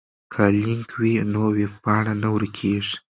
که لینک وي نو ویبپاڼه نه ورکیږي.